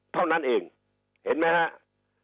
เท่านั้นเองเห็นไหมครับ